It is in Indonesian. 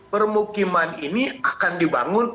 permukiman ini akan dibangun